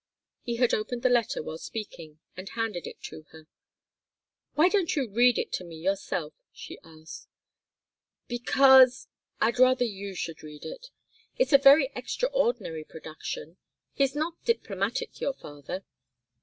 He had opened the letter while speaking and handed it to her. "Why don't you read it to me yourself?" she asked. "Because I'd rather you should read it. It's a very extraordinary production. He's not diplomatic your father.